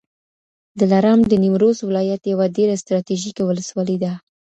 دلارام د نیمروز ولایت یوه ډېره ستراتیژیکه ولسوالي ده